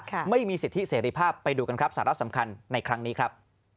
ไม่มีสิทธิเสรีภาพไปดูกันครับสาระสำคัญในครั้งนี้ครับ